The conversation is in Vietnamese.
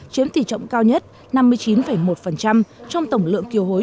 chiếm tỷ trọng cao nhất năm mươi chín một trong tổng lượng kiều hối